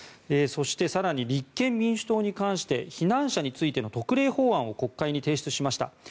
そして更に立憲民主党に関して避難者についての特例法案を国会に提出しました。